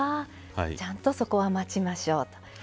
ちゃんと、そこは待ちましょう。